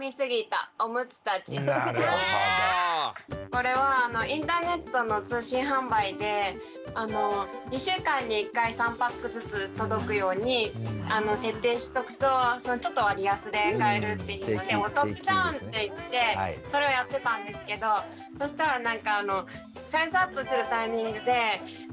これはインターネットの通信販売で２週間に１回３パックずつ届くように設定しとくとちょっと割安で買えるっていうのでお得じゃん！っていってそれをやってたんですけどそしたらなんかそうか！